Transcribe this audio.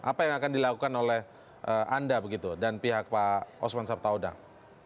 apa yang akan dilakukan oleh anda begitu dan pihak pak osman sabtaudang